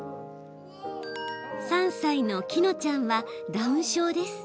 ３歳のきのちゃんはダウン症です。